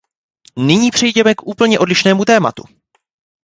Nyní přejděme k úplně odlišnému tématu.